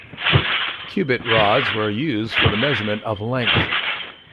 Cubit rods were used for the measurement of length.